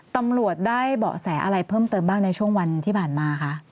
ตำรวจได้เบาะแสอะไรเพิ่มเติมบ้างในช่วงวันที่ผ่านมาคะ